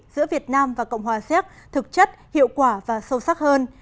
giữa việt nam và cộng hòa séc thực chất hiệu quả và sâu sắc hơn